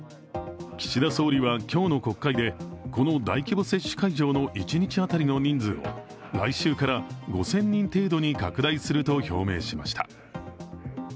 岸田総理は今日の国会でこの大規模接種会場の一日当たりの人数を来週から５０００人程度に拡大すると表明しました。